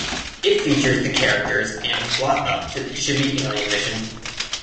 It features the characters and plot up to the Chibi Alien mission.